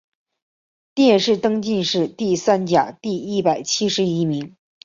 殿试登进士第三甲第一百七十一名。